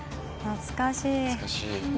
懐かしい。